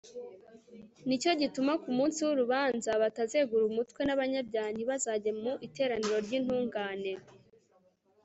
ni cyo gituma ku munsi w'urubanza batazegura umutwe, n'abanyabyaha ntibazajye mu iteraniro ry'intungane